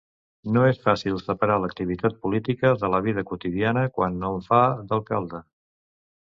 No és fàcil separar l’activitat política de la vida quotidiana quan hom fa d’alcalde.